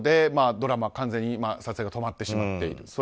ドラマ、完全に撮影が止まってしまっている。